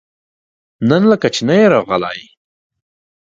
نن لکه چې نه يې راغلی؟